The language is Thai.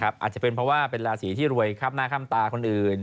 อาจจะเป็นเพราะว่าเป็นราศีที่รวยครับหน้าค่ำตาคนอื่น